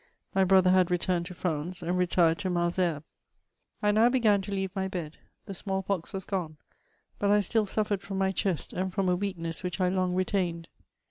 My bcother had returned to France, and retaxed to Malesherbea. I now began to leave my bed ; the smaH pox was gone ; but I still suffered from my chest, and from a weaknesa wbach I long retained.